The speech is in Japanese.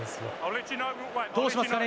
どうしますかね？